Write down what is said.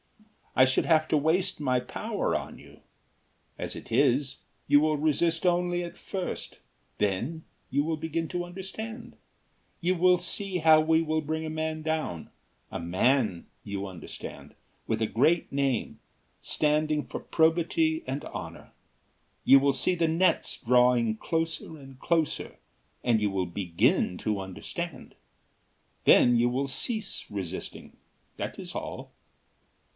I should have to waste my power on you. As it is, you will resist only at first, then you will begin to understand. You will see how we will bring a man down a man, you understand, with a great name, standing for probity and honour. You will see the nets drawing closer and closer, and you will begin to understand. Then you will cease resisting, that is all."